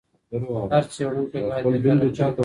هر څېړونکی بايد بېطرفه وي.